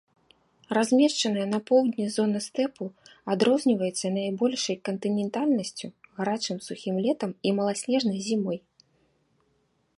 Размешчаная на поўдні зона стэпу адрозніваецца найбольшай кантынентальнасцю, гарачым сухім летам і маласнежнай зімой.